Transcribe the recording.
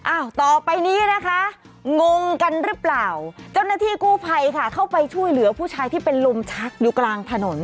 ต่อไปนี้นะคะงงกันหรือเปล่าเจ้าหน้าที่กู้ภัยค่ะเข้าไปช่วยเหลือผู้ชายที่เป็นลมชักอยู่กลางถนน